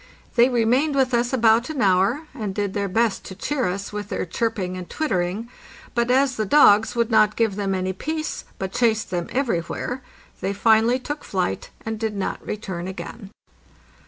They remained with us about an hour, and did their best to cheer us with their chirping and twittering; but as the dogs would not give them any peace, but chased them everywhere, they finally took flight, and did not return again.